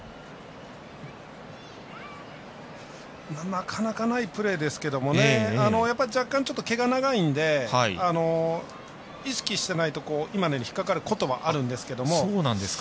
なかなかないプレーですけどね若干、毛が長いんで意識してないと今のように引っ掛かることもあるんですけど。